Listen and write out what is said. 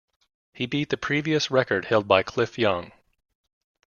He beat the previous record held by Cliff Young.